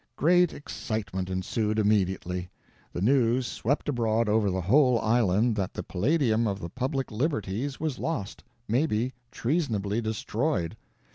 Great excitement ensued immediately. The news swept abroad over the whole island that the palladium of the public liberties was lost maybe treasonably destroyed.